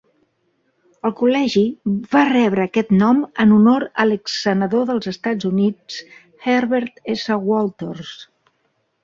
El col·legi va rebre aquest nom en honor a l'exsenador dels Estats Units Herbert S. Walters.